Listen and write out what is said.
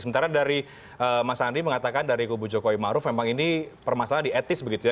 sementara dari mas andri mengatakan dari ibu joko imaruf memang ini permasalahan di etis begitu ya